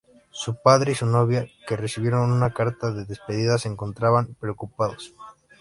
Su padre y su novia, que recibieron una carta de despedida, se encontraban preocupados.